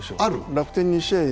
楽天２試合